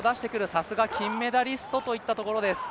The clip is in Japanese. さすが金メダリストといったところです。